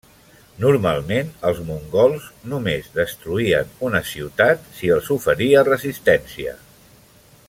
Normalment els mongols només destruïen una ciutat si els oferia resistència.